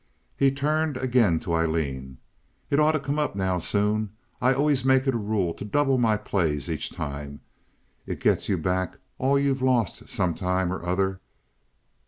He turned again to Aileen. "It ought to come up now soon. I always make it a rule to double my plays each time. It gets you back all you've lost, some time or other."